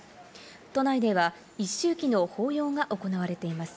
都内では一周忌の法要が行われています。